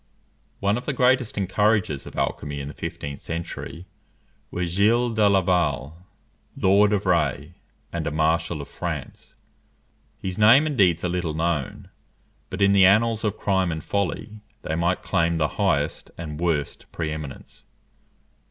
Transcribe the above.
One of the greatest encouragers of alchymy in the fifteenth century was Gilles de Laval, Lord of Rays and a Marshal of France. His name and deeds are little known; but in the annals of crime and folly, they might claim the highest and worst pre eminence.